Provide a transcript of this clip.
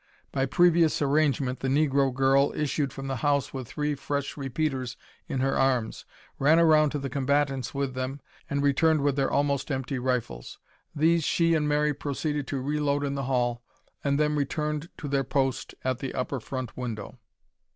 By previous arrangement the negro girl issued from the house with three fresh repeaters in her arms, ran round to the combatants with them and returned with their almost empty rifles. These she and Mary proceeded to reload in the hall, and then returned to their post at the upper front window.